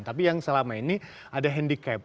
tapi yang selama ini ada handicap